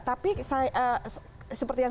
tapi saya seperti yang